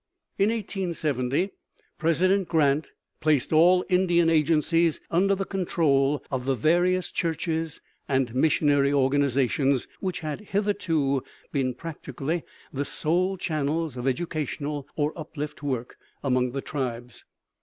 In 1870 President Grant placed all Indian agencies under the control of the various churches and missionary organizations, which had hitherto been practically the sole channels of educational or uplift work among the tribes.